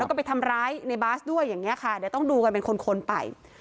แล้วก็ไปทำร้ายในบาสด้วยอย่างนี้ค่ะเดี๋ยวต้องดูกันเป็นคนไป